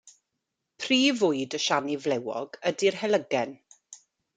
Prif fwyd y siani flewog ydy'r helygen.